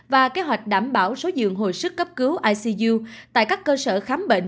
và kế hoạch đảm bảo số dường hồi sức cấp cứu icu tại các cơ sở khám bệnh